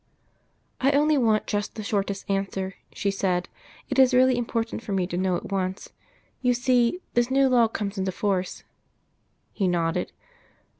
"I only want just the shortest answer," she said. "It is really important for me to know at once. You see, this new law comes into force " He nodded.